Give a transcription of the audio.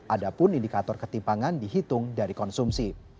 ada pun indikator ketimpangan dihitung dari konsumsi